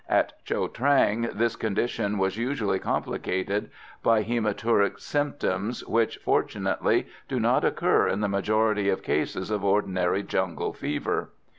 At Cho Trang this condition was usually complicated by hematuric symptoms, which, fortunately, do not occur in the majority of cases of ordinary jungle fever.